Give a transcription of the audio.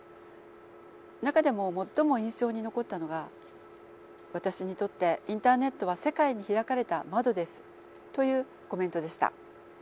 中でも最も印象に残ったのが「私にとってインターネットは世界に開かれた窓です」というコメントでした。